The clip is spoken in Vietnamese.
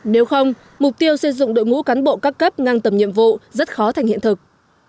nếu không mục tiêu xây dựng đội ngũ cán bộ các cấp ngang tầm nhiệm vụ rất khó thành hiện thực